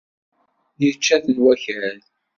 Yečča-ten wakal.